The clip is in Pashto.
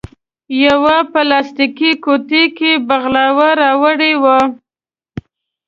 یوه پلاستیکي قوتۍ کې بغلاوه راوړې وه.